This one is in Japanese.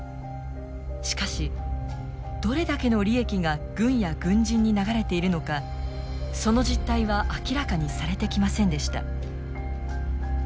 しかしどれだけの利益が軍や軍人に流れているのかその実態は明らかにされてきませんでした。